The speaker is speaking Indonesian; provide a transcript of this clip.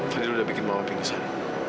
fadil udah bikin mama pingsan